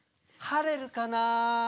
「晴れるかな」